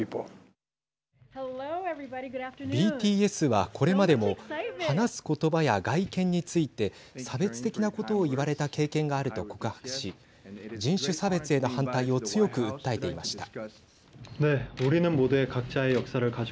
ＢＴＳは、これまでも話すことばや、外見について差別的なことを言われた経験があると告白し人種差別への反対を強く訴えていました。